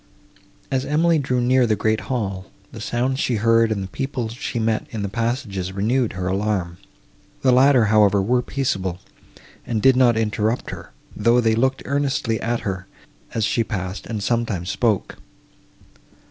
As Emily drew near the great hall, the sounds she heard and the people she met in the passages renewed her alarm. The latter, however, were peaceable, and did not interrupt her, though they looked earnestly at her, as she passed, and sometimes spoke.